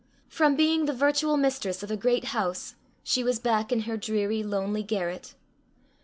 From being the virtual mistress of a great house, she was back in her dreary lonely garret!